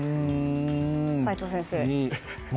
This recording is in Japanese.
齋藤先生。